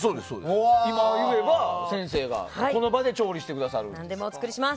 今言えば、先生がこの場で調理してくれると。